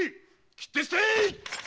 斬って捨てい‼